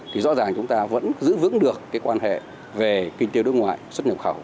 thì rõ ràng chúng ta vẫn giữ vững được cái quan hệ về kinh tế đối ngoại xuất nhập khẩu